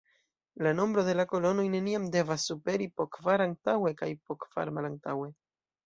La nombro de kolonoj neniam devas superi po kvar antaŭe kaj po kvar malantaŭe.